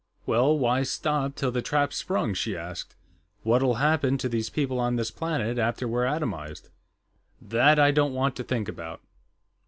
"Well, why stop till the trap's sprung?" she asked. "What'll happen to these people on this planet, after we're atomized?" "That I don't want to think about.